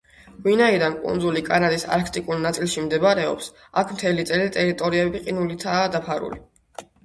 ვინაიდან კუნძული კანადის არქტიკულ ნაწილში მდებარეობს, აქ მთელი წელი ტერიტორიები ყინულებითაა დაფარული.